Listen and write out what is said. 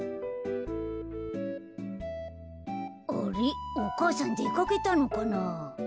あれっお母さんでかけたのかな。